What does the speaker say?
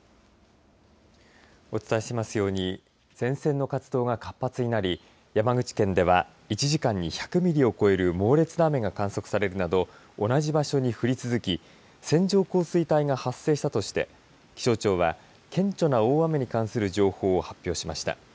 お伝えしていますように前線の活動が活発になり山口県では１時間に１００ミリを超える猛烈な雨が観測されるなど同じ場所に降り続き線状降水帯が発生したとして気象庁は顕著な大雨に関する情報を発表しました。